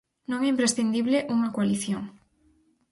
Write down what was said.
Non é imprescindible unha coalición.